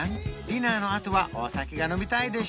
ディナーのあとはお酒が飲みたいでしょ？